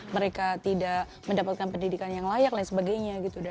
mereka tidak mendapatkan pendidikan yang layak dan sebagainya gitu